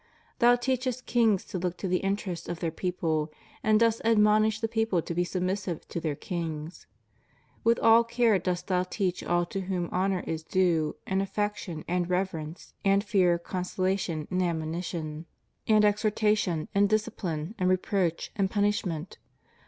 Thou teachest kings to look to the interests of their people, and dost admonish the people to be submissive to their kings. With all care dost thou teach all to whom honor is due, and affection, and reverence, and fear, consolation, and admonition and exhortation, and discipline, and reproach, and punish ment.